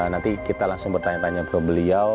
nanti kita langsung bertanya tanya ke beliau